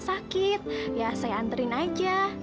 stad dilihasi rating aja